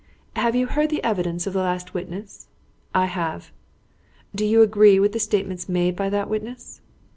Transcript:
"Have you heard the evidence of the last witness?" "I have." "Do you agree with the statements made by that witness?"